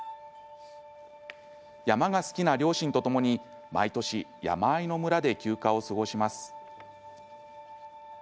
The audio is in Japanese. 山が好きな両親とともに、毎年山あいの村で休暇を過ごします。